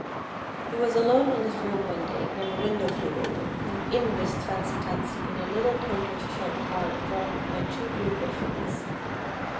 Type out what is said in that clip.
He was alone in his room one day when the window flew open, and in whisked Fancy Tansy in a little tor toise shell car drawn by two blue griffins.